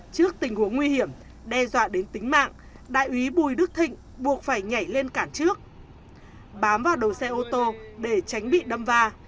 trước tình huống nguy hiểm đe dọa đến tính mạng đại úy bùi đức thịnh buộc phải nhảy lên cản trước bám vào đầu xe ô tô để tránh bị đâm va